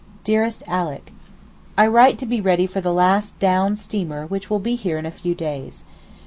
DEAREST ALICK, I write to be ready for the last down steamer which will be here in a few days.